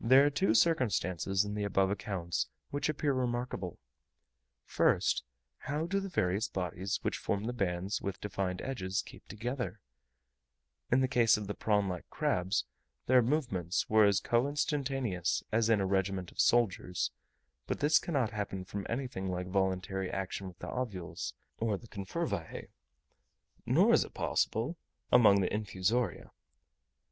There are two circumstances in the above accounts which appear remarkable: first, how do the various bodies which form the bands with defined edges keep together? In the case of the prawn like crabs, their movements were as co instantaneous as in a regiment of soldiers; but this cannot happen from anything like voluntary action with the ovules, or the confervae, nor is it probable among the infusoria.